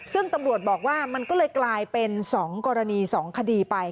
ซึ่งตำรวจบอกว่ามันก็เลยกลายเป็น๒กรณี๒คดีไป